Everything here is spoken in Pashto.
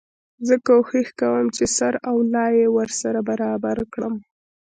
زه کوښښ کوم چي سر او لای يې ورسره برابر کړم.